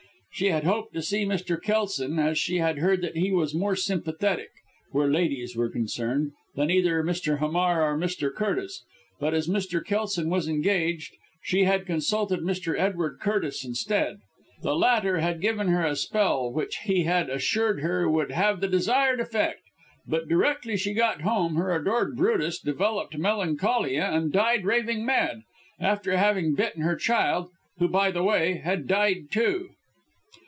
She had hoped to see Mr. Kelson, as she had heard that he was more sympathetic, where ladies were concerned, than either Mr. Hamar or Mr. Curtis, but as Mr. Kelson was engaged, she had consulted Mr. Edward Curtis instead. The latter had given her a spell which he had assured her would have the desired effect, but directly she got home, her adored Brutus developed melancholia, and died raving mad, after having bitten her child, who, by the way, had died, too.